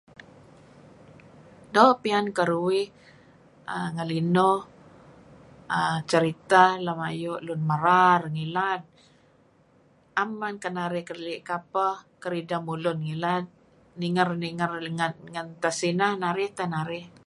Doo' piyan keruih uhm ngelinuh uhm ceritah lam ayu' lun merar ngilad'. Am man kenarih keli' kapeh kerideh mulun ngilad. Ninger-ninger lat ngan tesinah narih teh narih.